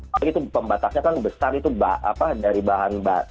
tapi itu pembatasnya kan besar itu dari bahan mbak